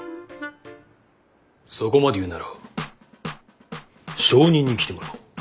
そこまで言うなら証人に来てもらおう。